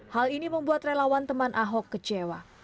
hal ini membuat relawan teman ahok kecewa